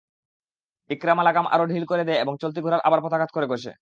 ইকরামা লাগাম আরো ঢিল করে দেয় এবং চলতি ঘোড়ায় আবার পদাঘাত করে কষে।